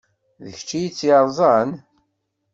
D kečč ay tt-yerẓan?